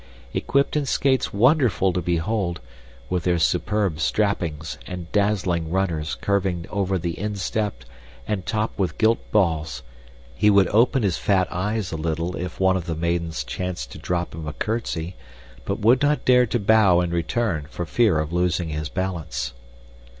Equipped in skates wonderful to behold, with their superb strappings and dazzling runners curving over the instep and topped with gilt balls, he would open his fat eyes a little if one of the maidens chanced to drop him a curtsy but would not dare to bow in return for fear of losing his balance.